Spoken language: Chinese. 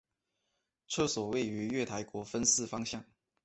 厕所位于月台国分寺方向。